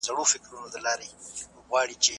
ویښ ملتونه تل مطالعه کوي.